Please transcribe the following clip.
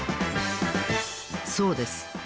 そうです。